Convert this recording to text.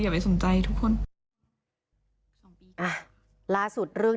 อย่าไปสนใจทุกคน